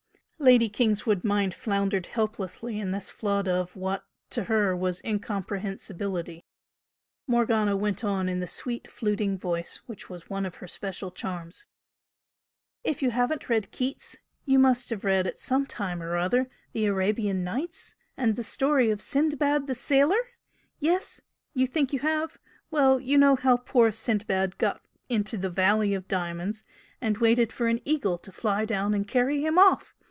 '" Lady Kingswood's mind floundered helplessly in this flood of what, to her, was incomprehensibility. Morgana went on in the sweet fluting voice which was one of her special charms. "If you haven't read Keats, you must have read at some time or other the 'Arabian Nights' and the story of 'Sindbad the Sailor'? Yes? You think you have? Well, you know how poor Sindbad got into the Valley of Diamonds and waited for an eagle to fly down and carry him off!